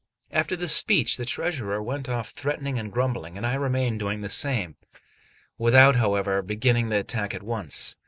After this speech the treasurer went off threatening and grumbling, and I remained doing the same, without, however, beginning the attack at once.